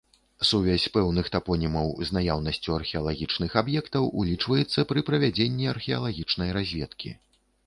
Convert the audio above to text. Сувязь пэўных тапонімаў з наяўнасцю археалагічных аб'ектаў улічваецца пры правядзенні археалагічнай разведкі.